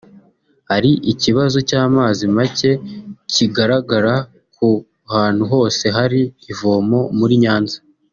ari ikibazo cy’amazi macye kigaragara ku hantu hose hari ivomo muri Nyanza